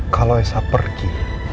kalau esa pergi